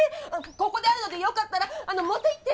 ここであるのでよかったらあの持っていって。